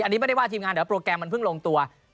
อันนี้ไม่ได้ว่าทีมงานเดี๋ยวโปรแกรมมันเพิ่งลงตัว